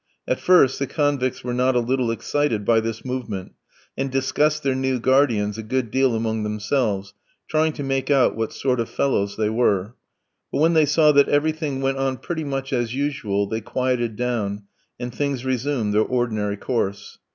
At first the convicts were not a little excited by this movement, and discussed their new guardians a good deal among themselves, trying to make out what sort of fellows they were; but when they saw that everything went on pretty much as usual they quieted down, and things resumed their ordinary course.